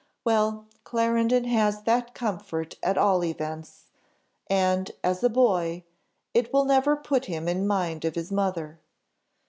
Well, Clarendon has that comfort at all events, and, as a boy, it will never put him in mind of his mother.